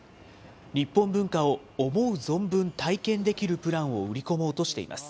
日本文化を思う存分、体験できるプランを売り込もうとしています。